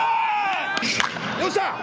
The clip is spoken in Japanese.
よっしゃ！